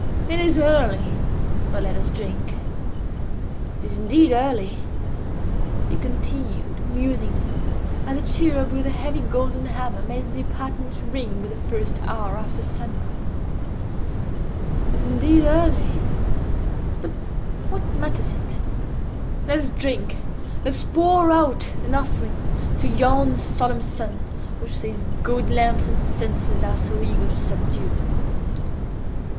It is early—but let us drink. It is indeed early," he continued, musingly, as a cherub with a heavy golden hammer made the apartment ring with the first hour after sunrise: "It is indeed early—but what matters it? let us drink! Let us pour out an offering to yon solemn sun which these gaudy lamps and censers are so eager to subdue!"